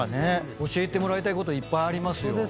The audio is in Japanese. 教えてもらいたいこといっぱいありますよ。